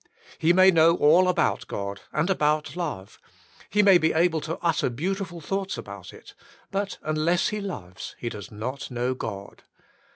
He may know all about God and about love, he may be able to utter beautiful thoughts about it; but unless he loves, he does not know God.